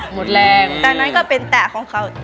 หมดแรงตอนนั้นก็เป็นแตะของเขา